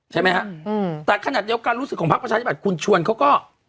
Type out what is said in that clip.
ใช่ไหมครับแต่ขณะเดียวกันรู้สึกของพรรคประชาธิบัติคุณชวนเขาก็